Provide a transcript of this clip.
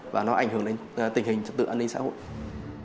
và nó ảnh hưởng đến tình hình trật tự an ninh xã hội